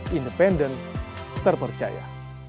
kompas tv independen terpercaya